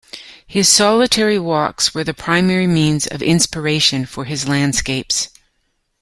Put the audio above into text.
His solitary walks were the primary means of inspiration for his landscapes.